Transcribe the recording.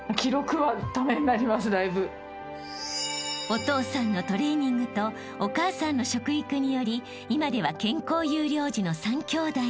［お父さんのトレーニングとお母さんの食育により今では健康優良児の３きょうだい］